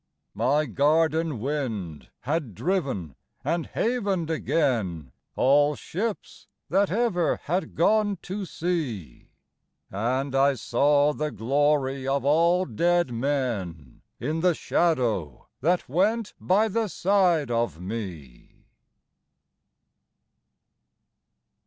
My garden wind had driven and havened again All ships that ever had gone to sea, And I saw the glory of all dead men In the shadow that went by the side of me.